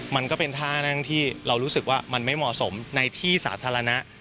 มันก็เป็นท่านั่งที่เรารู้สึกว่ามันไม่เหมาะสมในที่สาธารณะ